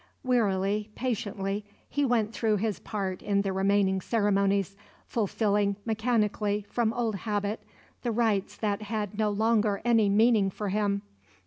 Wearily, patiently, he went through his part in the remaining ceremonies, fulfilling mechanically, from old habit, the rites that had no longer any meaning for him.